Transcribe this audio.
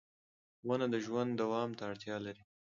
• ونه د ژوند دوام ته اړتیا لري.